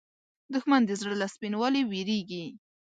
دښمن د زړه له سپینوالي وېرېږي